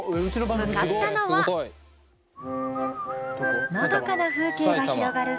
向かったのはのどかな風景が広がる